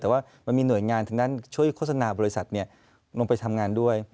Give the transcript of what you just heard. แต่ว่ามันมีหน่วยงานทางด้านช่วยโฆษณาบริษัทลงไปทำงานด้วย